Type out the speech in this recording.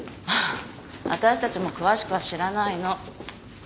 私たちも詳しくは知らないの。